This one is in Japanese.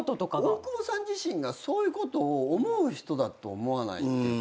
大久保さん自身がそういうことを思う人だと思わないっていうか。